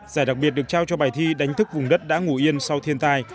giải đặc biệt được trao cho bài thi đánh thức vùng đất đã ngủ yên sau thiên tai